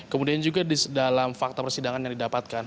kemudian juga di dalam fakta persidangan yang didapatkan